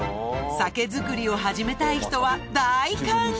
酒造りを始めたい人は大歓迎！